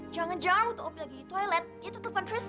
jangan jangan waktu opi lagi di toilet dia tutupan tristan